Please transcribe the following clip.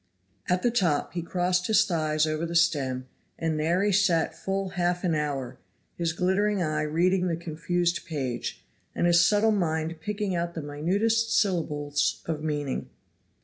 At the top he crossed his thighs over the stem, and there he sat full half an hour; his glittering eye reading the confused page, and his subtle mind picking out the minutest syllables of meaning.